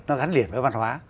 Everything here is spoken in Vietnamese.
nó gắn liền với văn hóa